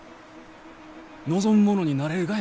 望む者になれるがやき！